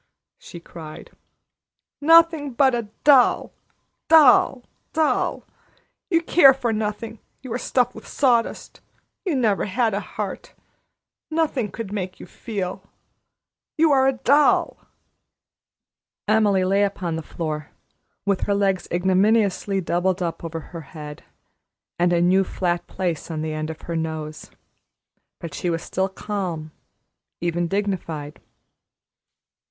she cried. "Nothing but a doll doll doll! You care for nothing. You are stuffed with sawdust. You never had a heart. Nothing could ever make you feel. You are a doll!" Emily lay upon the floor, with her legs ignominiously doubled up over her head, and a new flat place on the end of her nose; but she was still calm, even dignified.